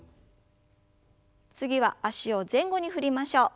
次は脚を前後に振りましょう。